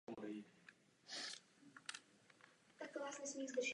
Dva měsíce po nehodě poprvé znovu sám operoval.